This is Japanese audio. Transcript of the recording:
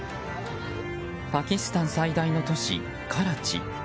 パキスタン最大の都市カラチ。